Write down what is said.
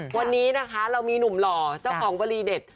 วันนี้นะคะเรามีหนุ่มหล่อเจ้าของวลีเด็ด